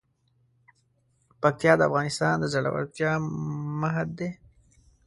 پکتیا د افغانستان د زړورتیا مهد دی.